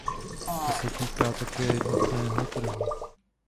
To se týká také jednotného trhu.